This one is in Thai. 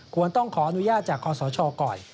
ควรต้องขออนุญาตจากคอสชก่อน